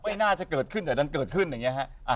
ไม่น่าจะเกิดขึ้นแต่ดันเกิดขึ้นอย่างนี้ฮะ